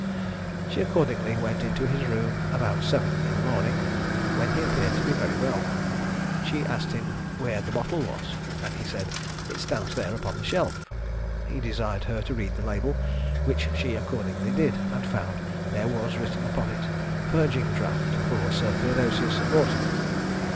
She accordingly went into his room about seven in the morning, when he appeared to be very well. She asked him "Where the bottle was?" and he said "It stands there upon the shelf." He desired her to read the label, which she accordingly did, and found there was written upon it "Purging draught for Sir Theodosius Boughton."